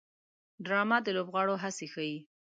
ډرامه د لوبغاړو هڅې ښيي